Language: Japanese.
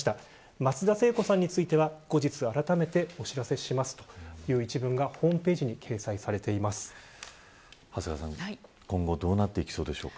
松田聖子さんについては後日あらためてお知らせしますという一文がホームページに長谷川さん、今後どうなっていきそうでしょうか。